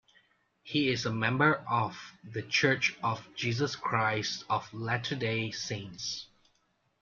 He is a member of the Church of Jesus Christ of Latter-day Saints.